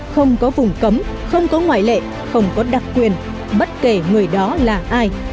không có vùng cấm không có ngoại lệ không có đặc quyền bất kể người đó là ai